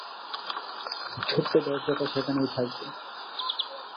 ছোট্ট দরজাটা সেখানেই থাকবে।